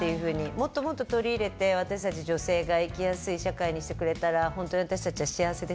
もっともっと取り入れて私たち女性が生きやすい社会にしてくれたら本当に私たちは幸せですね。